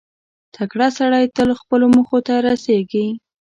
• تکړه سړی تل خپلو موخو ته رسېږي.